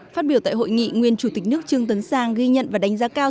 phát biểu tại hội nghị nguyên chủ tịch nước trương tấn sang ghi nhận và đánh giá cao